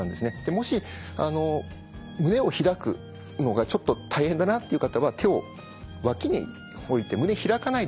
もし胸を開くのがちょっと大変だなっていう方は手を脇に置いて胸開かないでですね